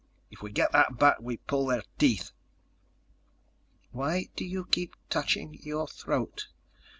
If we get that back we pull their teeth."_ "Why do you keep touching your throat?"